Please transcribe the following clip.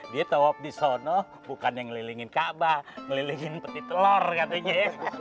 dia tau di sana bukan yang ngelilingin kabah ngelilingin peti telur katanya